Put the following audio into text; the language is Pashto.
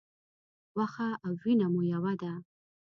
غوښه او وینه مو یوه ده.